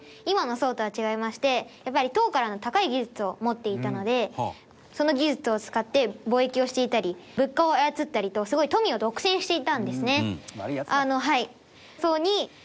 今の僧とは違いましてやっぱり唐からの高い技術を持っていたのでその技術を使って貿易をしていたり物価を操ったりとすごい富を独占していたんですね。